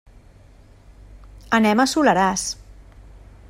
Anem al Soleràs.